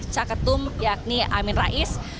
caketum yakni amin rais